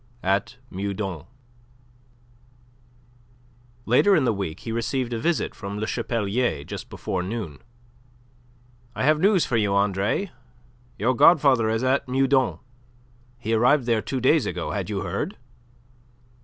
AT MEUDON Later in the week he received a visit from Le Chapelier just before noon. "I have news for you, Andre. Your godfather is at Meudon. He arrived there two days ago. Had you heard?"